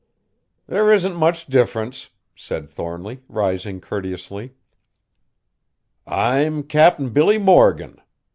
"There isn't much difference," said Thornly, rising courteously. "I'm Cap'n Billy Morgan!"